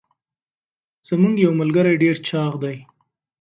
زمونږ یوه ملګري ډير چاغ دي.